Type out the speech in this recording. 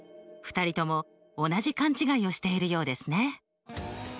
２人とも同じ勘違いをしているようですね。